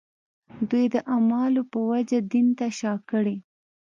دوی د اعمالو په وجه دین ته شا کړي.